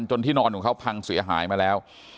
ที่นอนของเขาพังเสียหายมาแล้ว